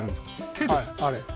手ですか？